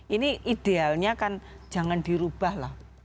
ini idealnya kan jangan dirubah lah